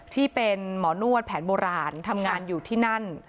ที่เป็นหมอนวดแผนโบราณทำงานอยู่ที่นั่น